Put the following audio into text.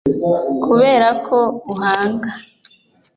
kuberako uhanga.